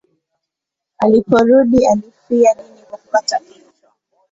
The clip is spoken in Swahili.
Aliporudi alifia dini kwa kukatwa kichwa.